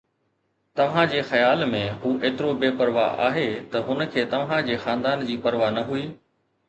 توهان جي خيال ۾، هو ايترو بي پرواهه آهي ته هن کي توهان جي خاندان جي پرواهه نه هئي